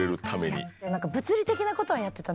何か物理的なことはやってた。